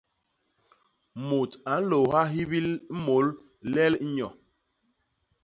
Mut a nlôôha hibil môl ilel nyo.